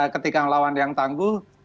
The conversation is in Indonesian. ketika lawan yang tangguh